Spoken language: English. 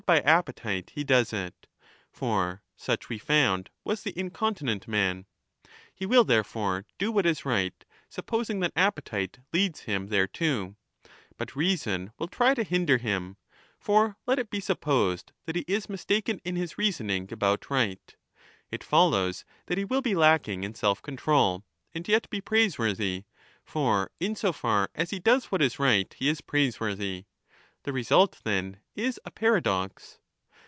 6 I20l^ by appetite he does it (for such we found * was the icontinent man) ; he will therefore do what is right, Supposing that appetite leads him thereto (but reason will [try to hinder him ; for let it be supposed that he is mis iken in his reasoning about right) ; it follows that he will ^5 pe lacking in self control, and yet be praiseworthy; for in far as he does what is right, he is praiseworthy. The |result then is a paradox.